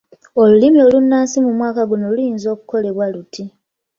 Olulimi olunnansi mu mwaka guno luyinza okukolebwa luti